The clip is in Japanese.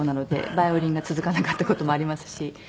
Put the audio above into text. バイオリンが続かなかった事もありますし。